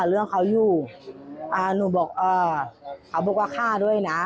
อืมพี่ขอหลาน